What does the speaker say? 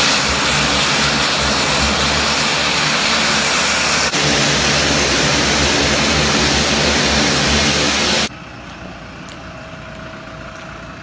สุดท้ายสุดท้ายสุดท้าย